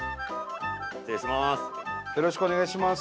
失礼します。